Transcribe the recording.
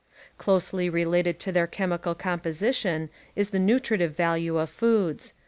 Closely related to their chemical composition is the nutritive value of foods.